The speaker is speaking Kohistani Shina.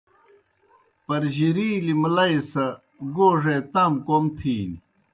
پَرجِرِیلِیْ مُلئی سہ گوڙے تام کوْم تِھینیْ۔